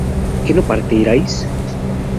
¿que no partierais?